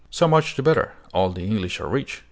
"So much the better! All the English are rich.